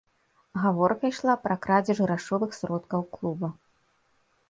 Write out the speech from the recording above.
Гаворка ішла пра крадзеж грашовых сродкаў клуба.